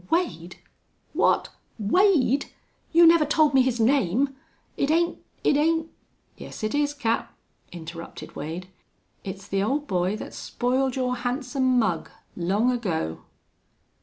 "Wade?... What? Wade! You never told me his name. It ain't it ain't " "Yes, it is, Cap," interrupted Wade. "It's the old boy that spoiled your handsome mug long ago."